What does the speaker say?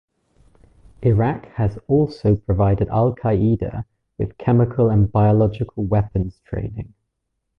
Iraq has also provided Al Qaeda with chemical and biological weapons training.